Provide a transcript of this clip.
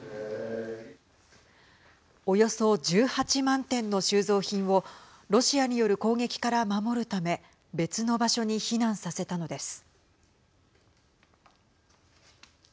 およそ１８万点の収蔵品をロシアによる攻撃から守るため別の場所に避難させたのです。